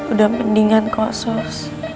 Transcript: udah mendingan khusus